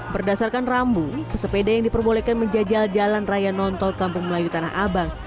berdasarkan rambu pesepeda yang diperbolehkan menjajal jalan raya nontol kampung melayu tanah abang